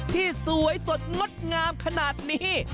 ที่สวยสดงดงามขนาดนี้